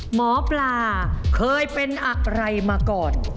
หมอปลาเคยเป็นอะไรมาก่อน